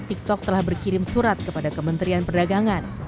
tiktok telah berkirim surat kepada kementerian perdagangan